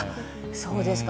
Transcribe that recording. そうですか。